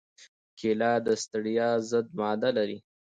کېله د ستړیا ضد ماده لري.